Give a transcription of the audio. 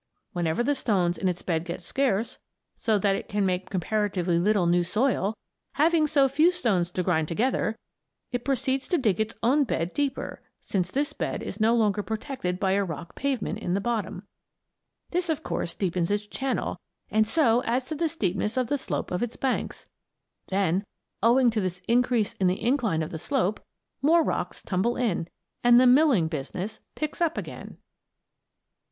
Whenever the stones in its bed get scarce, so that it can make comparatively little new soil having so few stones to grind together it proceeds to dig its own bed deeper, since this bed is no longer protected by a rock pavement in the bottom. This, of course, deepens its channel, and so adds to the steepness of the slope of its banks. Then, owing to this increase in the incline of the slope, more rocks tumble in, and the "milling business" picks up again.